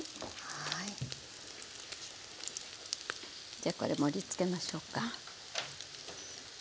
じゃこれ盛りつけましょうか。